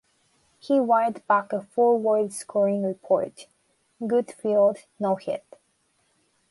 He wired back a four-word scouting report: Good field, no hit.